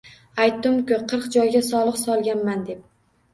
– Aytdim-ku, qirq joyga soliq solganman, deb